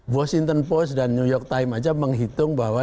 washington post dan new york times saja menghitung bahwa